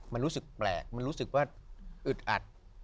มันรู้สึกแปลกมันรู้สึกว่าอึดอัด